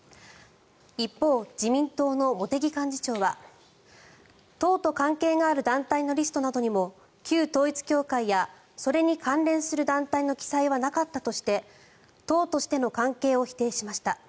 一方、自民党の茂木幹事長は党と関係がある団体のリストなどにも旧統一教会やそれに関連する団体の記載はなかったとして党としての関係を否定しました。